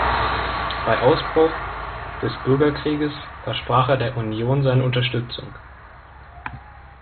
Bei Ausbruch des Bürgerkrieges versprach er der Union seine Unterstützung.